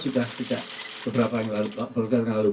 saya sudah berangkat umroh beberapa bulan lalu